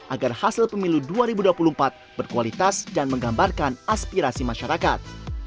agar hasil pemilu dua ribu dua puluh empat berkualitas dan menggambarkan aspirasi masyarakat